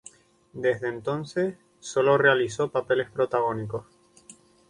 Desde entonces sólo realizó papeles protagónicos.